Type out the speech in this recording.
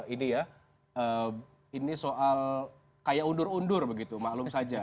ini ya ini soal kayak undur undur begitu maklum saja